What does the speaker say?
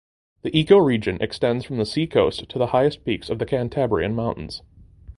The ecoregion extends from the seacoast to the highest peaks of the Cantabrian Mountains.